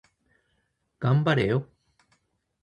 頑張れよ